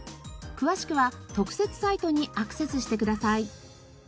詳しくは特設サイトにアクセスしてください。